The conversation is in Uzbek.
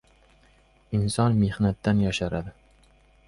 • Inson mehnatdan yosharadi.